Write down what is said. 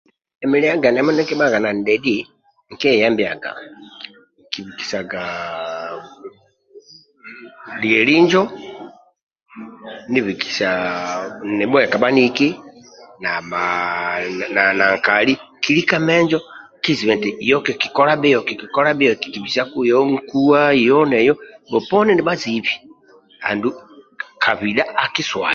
Emi liaga ndiamo ndia akibhaga nanidhedhi nkieyamviqga nkibikisaga lieli injo nibikisa nibhueka bhaniki na nkali kilika menjo kiziba eti yoho kikilola bhio yoho kikikola bhio kibilisa yoho kikibisaku nkuwa yoho ne yohob bhoponi nibhazibi andulu kabiha akiswalie